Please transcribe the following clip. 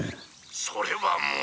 「それはもう。